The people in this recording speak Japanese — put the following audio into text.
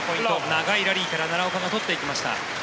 長いラリーから奈良岡が取っていきました。